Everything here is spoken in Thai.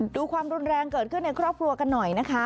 ดูความรุนแรงเกิดขึ้นในครอบครัวกันหน่อยนะคะ